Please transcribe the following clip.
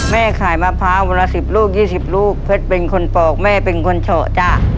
แม่ขายมะพร้าววันละ๑๐ลูก๒๐ลูกเพชรเป็นคนปอกแม่เป็นคนเฉาะจ้ะ